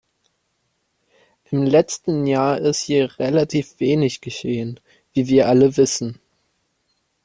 Im letzten Jahr ist hier relativ wenig geschehen, wie wir alle wissen.